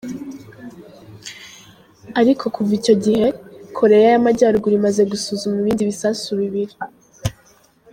Ariko kuva icyo gihe, Koreya y'Amajyaruguru imaze gusuzuma ibindi bisasu bibiri.